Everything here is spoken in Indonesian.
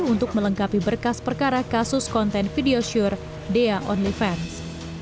untuk melengkapi berkas perkara kasus konten video syur dea only fans